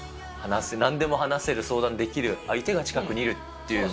なんでも話せる、相談できる相手が近くにいるっていう。